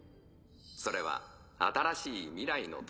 それは新しい未来の扉。